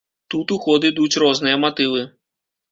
Тут у ход ідуць розныя матывы.